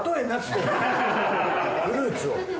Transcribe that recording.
フルーツを。